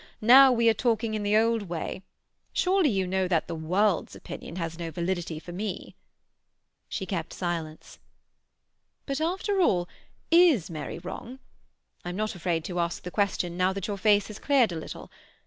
Now we are talking in the old way. Surely you know that the world's opinion has no validity for me." She kept silence. "But, after all, is Mary wrong? I'm not afraid to ask the question now that your face has cleared a little.